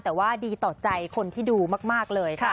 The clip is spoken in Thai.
แต่ว่าดีต่อใจคนที่ดูมากเลยค่ะ